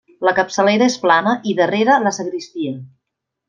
La capçalera és plana i darrere, la sagristia.